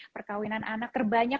perkahwinan anak terbanyak